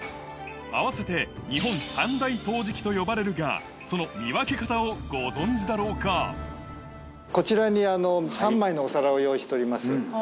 合わせて日本三大陶磁器と呼ばれるが、その見分け方をご存じだろこちらに３枚のお皿を用意しております。